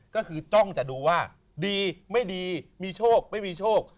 ก็คือจ้องจะดูว่าดีไม่ดีมีโชคไม่มีโชค